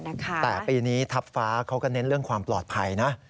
แต่ปีนี้ทัพฟ้าเขาก็เน้นเรื่องความปลอดภัยนะ